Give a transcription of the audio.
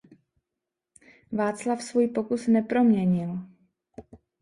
Václav svůj pokus neproměnil.